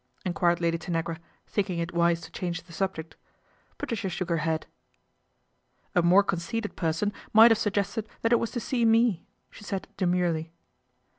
enquired Lady Tanagra, thinking it wise to change the subject. Patiicia shook her head. " A more conceited person might have suggested that it was to see me," she said demurely.